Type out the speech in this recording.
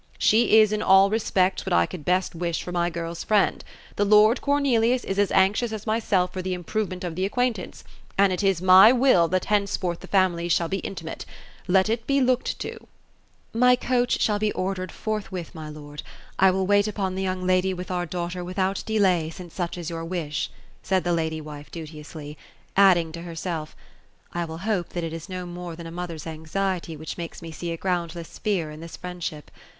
''She is in all respects what I could best wish for my girl's friend. The lord Cor* nelius is as anxious as myself for the improvement of the acquaintance ; and it is my will that henceforth the families shall be intimate. Let it be looked to." 232 OPHELIA ; "Mj coach shall he ordered forthwith, my lord ; I will wait upon the young lady with our daughter without delay, since suoii is your wish ;" said the lady wife duteously ; adding to herself" I will hope that it is no more than a mother's anxiety which makes me see a groundless fear in this friendship.